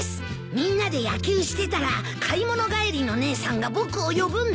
みんなで野球してたら買い物帰りの姉さんが僕を呼ぶんだ。